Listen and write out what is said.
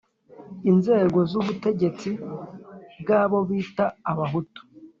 inzego z'ubutegetsi bw'abo bita abahutu.